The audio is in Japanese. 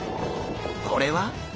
これは？